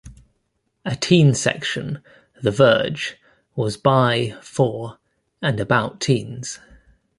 A teen section "The Verge" was "by, for and about teens.